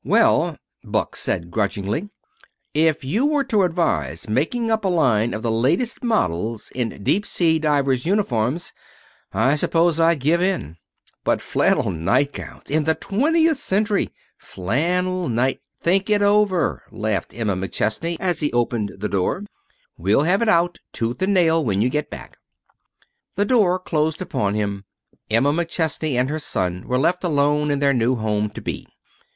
"Well," Buck said grudgingly, "if you were to advise making up a line of the latest models in deep sea divers' uniforms, I suppose I'd give in. But flannel nightgowns! In the twentieth century flannel night " "Think it over," laughed Emma McChesney as he opened the door. "We'll have it out, tooth and nail, when you get back." The door closed upon him. Emma McChesney and her son were left alone in their new home to be.